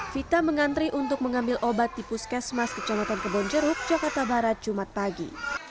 vita mengantri untuk mengambil obat di puskesmas kecamatan kebonjeruk jakarta barat jumat pagi